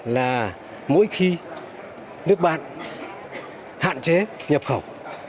là mỗi khi nước bạn hạn chế nhập khẩu